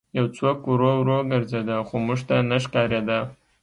یو څوک ورو ورو ګرځېده خو موږ ته نه ښکارېده